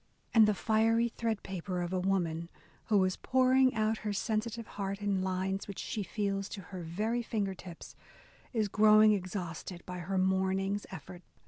And the "fiery threadpaper" of a woman who is pouring out her sensitive heart in lines which she feels to her very finger tips, is grow ing exhausted by her morning's effort.